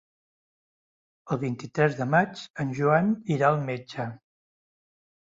El vint-i-tres de maig en Joan irà al metge.